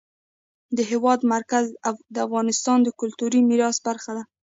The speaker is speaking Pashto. د هېواد مرکز د افغانستان د کلتوري میراث برخه ده.